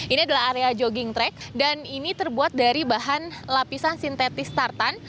ini adalah area jogging track dan ini terbuat dari bahan lapisan sintetis tartan